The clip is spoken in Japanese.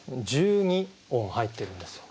１２音入ってるんですよ。